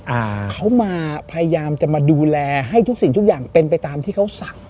อ่าเขามาพยายามจะมาดูแลให้ทุกสิ่งทุกอย่างเป็นไปตามที่เขาสั่ง